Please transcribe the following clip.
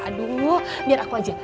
aduh biar aku aja